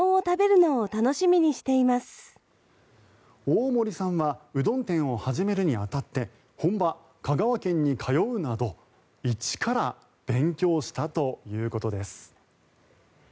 大森さんはうどん店を始めるに当たって本場・香川県に通うなど一から勉強したということです。